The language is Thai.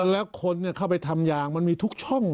แล้วคนเข้าไปทำยางมันมีทุกช่อง